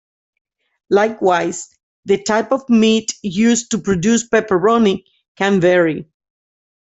Likewise, the type of meat used to produce pepperoni can vary.